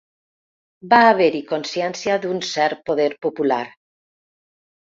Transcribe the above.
Va haver-hi consciència d’un cert poder popular.